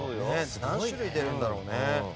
何種類出るんだろうね。